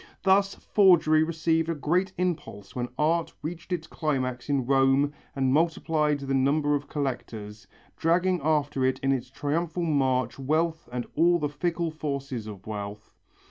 Thus forgery received a great impulse when art reached its climax in Rome and multiplied the number of collectors, dragging after it in its triumphal march wealth and all the fickle forces of wealth.